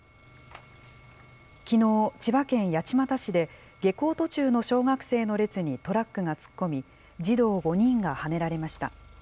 きのう、千葉県八街市で、下校途中の小学生の列にトラックが突っ込み、児童５人がはねられました。